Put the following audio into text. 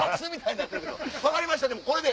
分かりましたこれで。